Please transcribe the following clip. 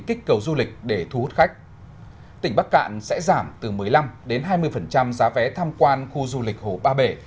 kích cầu du lịch để thu hút khách tỉnh bắc cạn sẽ giảm từ một mươi năm đến hai mươi giá vé tham quan khu du lịch hồ ba bể